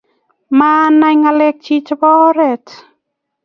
maanai ng'alekyich chebo orit